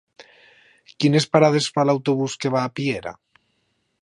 Quines parades fa l'autobús que va a Piera?